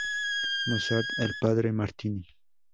Mozart, el padre Martini.